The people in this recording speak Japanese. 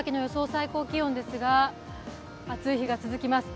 最高気温ですが暑い日が続きます。